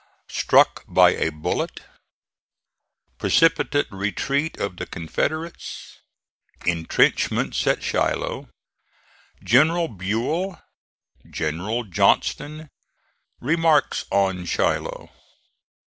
STRUCK BY A BULLET PRECIPITATE RETREAT OF THE CONFEDERATES INTRENCHMENTS AT SHILOH GENERAL BUELL GENERAL JOHNSTON REMARKS ON SHILOH.